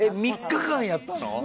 ３日間やったの？